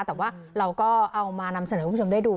แต่ว่าเราก็เอามานำเสนอให้คุณผู้ชมได้ดู